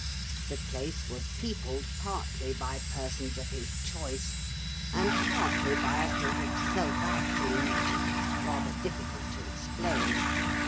The place was peopled partly by persons of his choice, and partly by a sort of self acting magic rather difficult to explain.